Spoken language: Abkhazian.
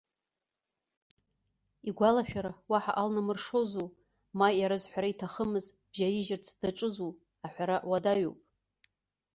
Игәалашәара уаҳа алнамыршозу, ма иара зҳәара иҭахымыз бжьаижьырц даҿызу, аҳәара уадаҩуп.